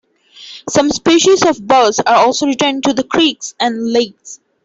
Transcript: Some species of birds are also returning to the creeks and lakes.